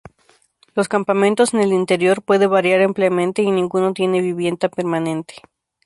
Los campamentos en el interior puede variar ampliamente, y ninguno tiene vivienda permanente.